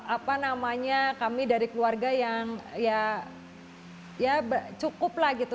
apa namanya kami dari keluarga yang ya cukup lah gitu